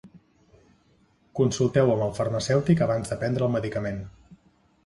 Consulteu amb el farmacèutic abans de prendre el medicament.